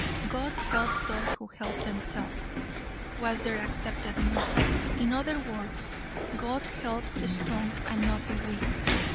"God helps those who help themselves" was their accepted motto. In other words, God helps the strong and not the weak.